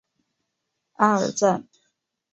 阿尔赞。